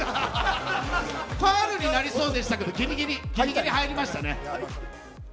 ファウルになりそうでしたけど、ぎりぎり入りましたね。